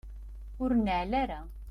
Ur neɛɛel ara.